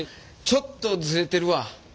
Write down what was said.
ちょっとズレてるわ